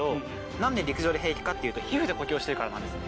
何で陸上で平気かっていうと皮膚で呼吸をしてるからなんです。